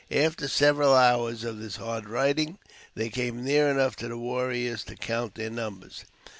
After several hours of this hard riding, they came near enough to the warriors to count their numbers.